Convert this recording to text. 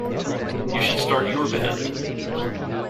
You should start your band.